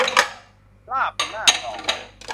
ราบเป็นหน้ากลอง